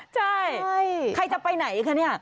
ใช่ใครจะไปไหนคะเนี่ย